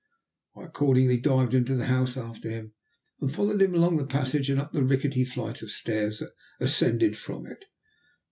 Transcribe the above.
I accordingly dived into the house after him, and followed him along the passage and up the rickety flight of stairs that ascended from it.